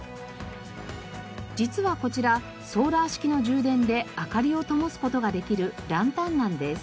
実はこちらソーラー式の充電で明かりをともす事ができるランタンなんです。